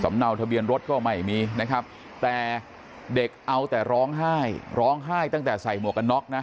เนาทะเบียนรถก็ไม่มีนะครับแต่เด็กเอาแต่ร้องไห้ร้องไห้ตั้งแต่ใส่หมวกกันน็อกนะ